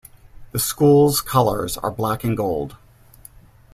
The school's colors are black and gold.